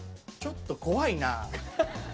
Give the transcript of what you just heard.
ちょっと怖いな。